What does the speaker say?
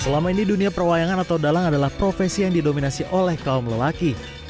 selama ini dunia perwayangan atau dalang adalah profesi yang didominasi oleh kaum lelaki